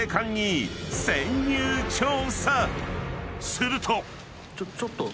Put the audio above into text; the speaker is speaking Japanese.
［すると］